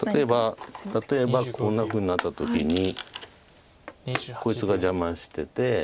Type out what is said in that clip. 例えばこんなふうになった時にこいつが邪魔してて。